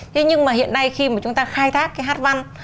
thế nhưng mà hiện nay khi mà chúng ta khai thác cái hát văn